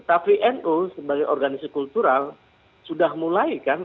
tapi nu sebagai organisasi kultural sudah mulai kan